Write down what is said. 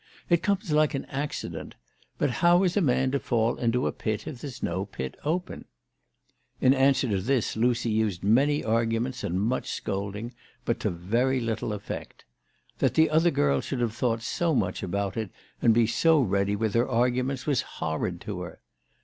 It comes like an accident. But how is a man to fall into a pit if there's no pit open ?" In answer to this Lucy used many arguments and much scolding. But to very little effect. That the other girl should have thought so much about it and be so ready with her arguments was horrid to her.